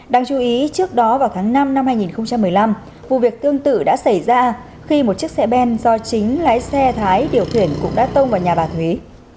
đáng chú ý trước đó vào tháng năm năm hai nghìn một mươi năm vụ việc tương tự đã xảy ra khi một chiếc xe ben do chính lái xe thái điều khiển cũng đã tông vào nhà bà thúy